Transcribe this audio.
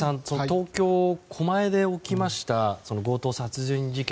東京・狛江で起きました強盗殺人事件